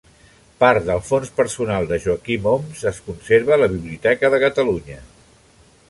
Part del fons personal de Joaquim Homs es conserva a la Biblioteca de Catalunya.